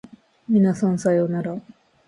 皆さんさようなら